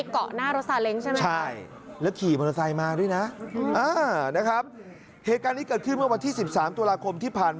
คนนี้คือคนที่ไปเกาะหน้ารถสาเล้งใช่ไหม